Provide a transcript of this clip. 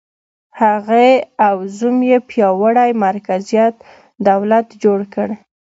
هغې او زوم یې پیاوړی مرکزي دولت جوړ کړ.